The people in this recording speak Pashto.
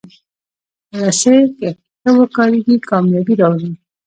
رسۍ که ښه وکارېږي، کامیابي راوړي.